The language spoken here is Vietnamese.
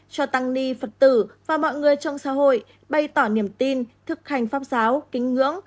cho tăng ni phật tử và mọi người trong xã hội bày tỏ niềm tin thực hành pháp giáo kính ngưỡng